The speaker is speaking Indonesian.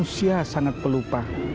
dia sangat pelupa